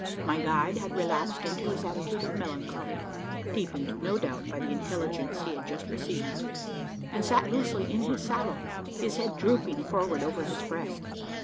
My guide had relapsed into his attitude of melancholy deepened, no doubt, by the intelligence he had just received and sat loosely in his saddle, his head drooping forward over his breast.